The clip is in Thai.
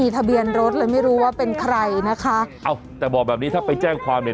ทะเบียนรถเลยไม่รู้ว่าเป็นใครนะคะเอาแต่บอกแบบนี้ถ้าไปแจ้งความเนี่ย